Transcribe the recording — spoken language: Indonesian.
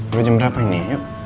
udah jam berapa ini